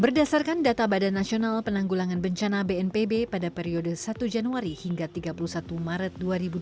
berdasarkan data badan nasional penanggulangan bencana bnpb pada periode satu januari hingga tiga puluh satu maret dua ribu dua puluh